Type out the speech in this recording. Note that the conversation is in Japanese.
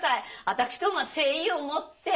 私どもは誠意をもって。